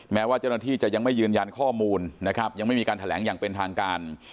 แม้ว่าเจ้าหน้าที่จะยังไม่ยืนยันข้อมูลนะครับยังไม่มีการแถลงอย่างเป็นทางการ